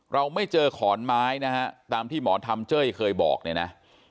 เราไม่เจอขอนไม้นะฮะตามที่หมอทำเจ้ยเคยบอกเนี่ยนะ